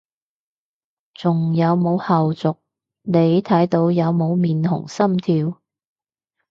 仲有冇後續，你睇到有冇面紅心跳？